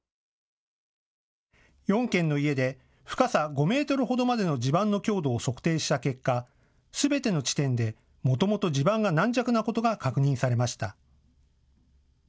４軒の家で深さ５メートルほどまでの地盤の強度を測定した結果、すべての地点で、もともと地盤が軟弱なことが確認されました。